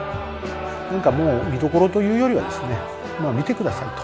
何かもう見どころというよりはですねまあ見てくださいと。